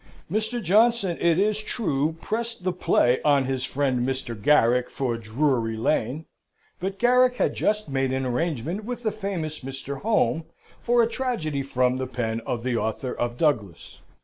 Mr. Johnson, it is true, pressed the play on his friend Mr. Garrick for Drury Lane, but Garrick had just made an arrangement with the famous Mr. Home for a tragedy from the pen of the author of Douglas.